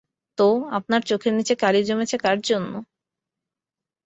তো, আপনার চোখের নিচে কালি জমেছে কার জন্য?